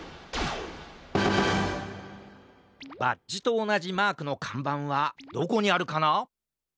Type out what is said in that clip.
バッジとおなじマークのかんばんはどこにあるかな？